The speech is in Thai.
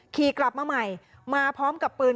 ขี่กลับมาใหม่มาพร้อมกับปืน